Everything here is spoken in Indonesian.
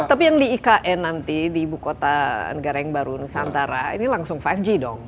tapi yang di ikn nanti di ibu kota negara yang baru nusantara ini langsung lima g dong